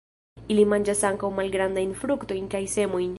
Ili manĝas ankaŭ malgrandajn fruktojn kaj semojn.